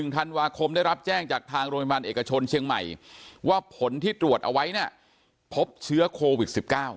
ธันวาคมได้รับแจ้งจากทางโรงพยาบาลเอกชนเชียงใหม่ว่าผลที่ตรวจเอาไว้เนี่ยพบเชื้อโควิด๑๙